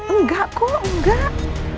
enggak kok enggak